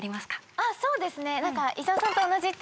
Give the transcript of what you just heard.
あっそうですね。